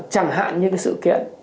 chẳng hạn như sự kiện